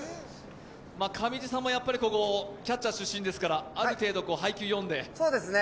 上地さんもやっぱりここ、キャッチャー出身ですからある程度、配球を読んで。